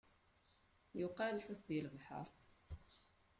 Yuqa lḥut di lebḥeṛ.